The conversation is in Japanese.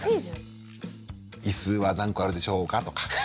「椅子は何個あるでしょうか？」とか。